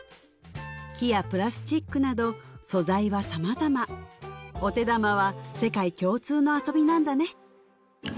木やプラスチックなど素材は様々お手玉は世界共通の遊びなんだね